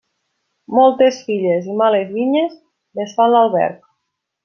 Moltes filles i males vinyes desfan l'alberg.